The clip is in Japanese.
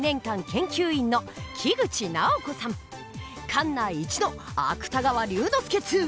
館内一の芥川龍之介通！